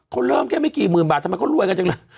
เขาเริ่มแค่ไม่กี่หมื่นบาททำไมเขารวยกันจังเลย